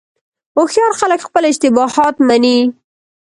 هوښیار خلک خپل اشتباهات مني.